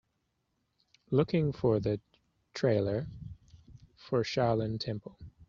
Looking for the trailer for Shaolin Temple